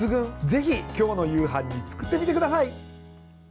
ぜひ今日の夕飯に作ってみてください。